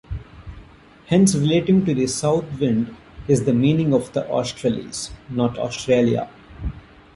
Hence relating to the south wind is the meaning of australis, not Australia.